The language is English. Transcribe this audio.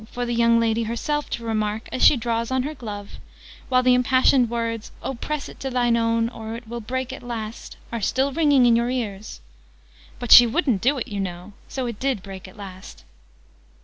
for the young lady herself to remark, as she draws on her gloves, while the impassioned words 'Oh, press it to thine own, or it will break at last!' are still ringing in your ears, " but she wouldn't do it, you know. So it did break at last."